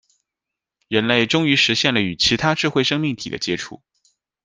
人类终于实现了与其他智慧生命体的接触。